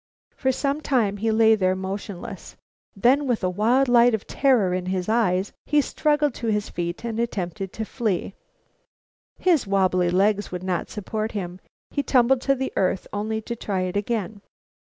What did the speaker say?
For some time he lay there motionless. Then, with a wild light of terror in his eye, he struggled to his feet and attempted to flee. His wabbly legs would not support him. He tumbled to the earth, only to try it again.